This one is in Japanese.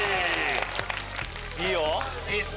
いいよ！